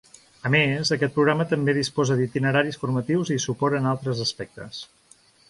A més, aquest programa també disposa d’itineraris formatius i suport en altres aspectes.